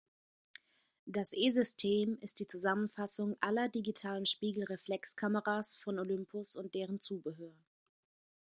Das E-System ist die Zusammenfassung aller digitalen Spiegelreflexkameras von Olympus und deren Zubehör.